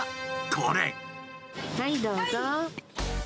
はい、どうぞ。